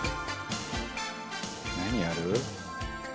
何やる？